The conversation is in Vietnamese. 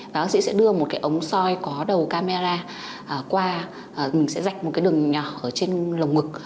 và bác sĩ sẽ đưa một ống soi có đầu camera qua mình sẽ rạch một đường nhỏ trên lồng ngực